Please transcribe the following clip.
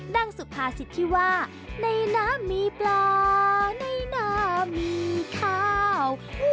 สุภาษิตที่ว่าในน้ำมีปลาในน้ำมีข้าว